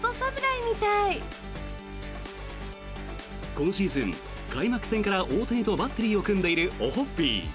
今シーズン、開幕戦から大谷とバッテリーを組んでいるオホッピー。